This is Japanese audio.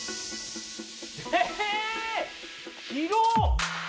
えー！広っ！